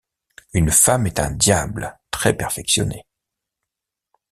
Une femme est un diable Très-perfectionné.